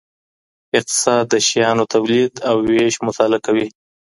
اقتصاد د شيانو توليد او ويش مطالعه کوي.